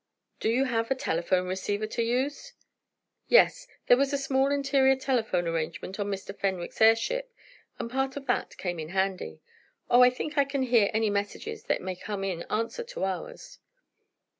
"Did you have a telephone receiver to use?" "Yes. There was a small interior telephone arrangement on Mr. Fenwick's airship, and part of that came in handy. Oh, I think I can hear any messages that may come in answer to ours."